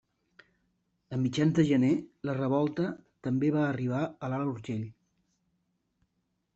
A mitjans de gener la revolta també va arribar a l'Alt Urgell.